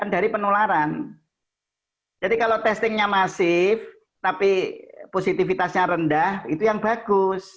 dari penularan jadi kalau testingnya masif tapi positifitasnya rendah itu yang bagus